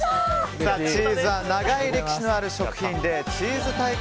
チーズは長い歴史のある食品でチーズ大国